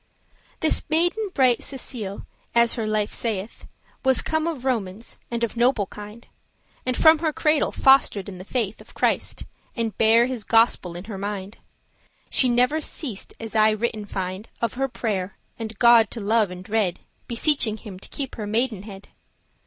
* *why she had her name* This maiden bright Cecile, as her life saith, Was come of Romans, and of noble kind, And from her cradle foster'd in the faith Of Christ, and bare his Gospel in her mind: She never ceased, as I written find, Of her prayere, and God to love and dread, Beseeching him to keep her maidenhead.